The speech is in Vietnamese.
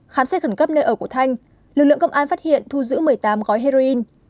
khám xét khẩn cấp nơi ở của thanh lực lượng công an phát hiện thu giữ một mươi tám gói heroin